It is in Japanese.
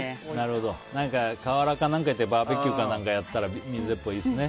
川原か何か行ってバーベキューか何かやったら水鉄砲、いいですね。